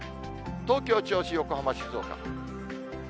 東京、銚子、横浜、静岡。